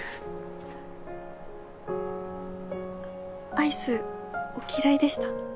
アイスお嫌いでした？